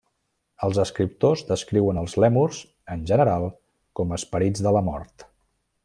Els escriptors descriuen els lèmurs en general com esperits de la mort.